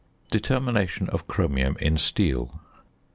~Determination of Chromium in Steel.